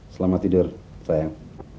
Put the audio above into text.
selamat tidur sayang